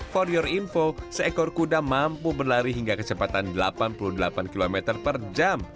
for your info seekor kuda mampu berlari hingga kecepatan delapan puluh delapan km per jam